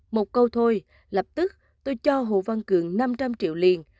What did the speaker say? một câu thôi lập tức tôi cho hồ văn cường năm trăm linh triệu liền